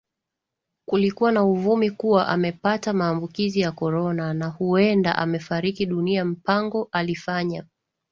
kulikuwa na uvumi kuwa amepata maambukizi ya Corona na huenda amefariki dunia Mpango alifanya